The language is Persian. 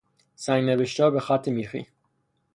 سنگ نبشتهها به خط میخی